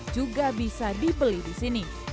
juga bisa diperoleh